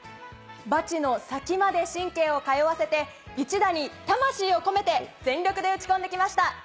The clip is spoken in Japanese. バチの先まで神経を通わせて一打に魂を込めて全力で打ち込んで来ました。